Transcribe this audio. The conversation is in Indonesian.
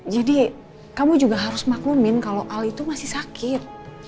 jadi kamu juga harus maklumin kalau al itu masih sakit